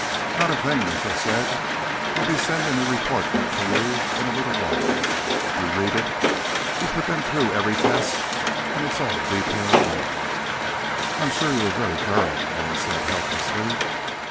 "Not a thing," Mitchell said. "I'll be sending a report up to you in a little while. You read it; we put them through every test, and it's all detailed there." "I'm sure you were very thorough," Malone said helplessly.